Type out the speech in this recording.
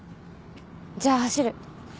じゃあ走る。